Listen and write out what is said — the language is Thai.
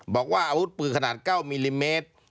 บอกว่าอาวุธปืนขนาด๙มิลลิเมตร